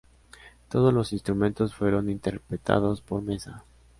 Todos los instrumentos fueron interpretados por Meza.